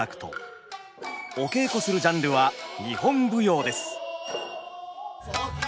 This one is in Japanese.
お稽古するジャンルは日本舞踊です。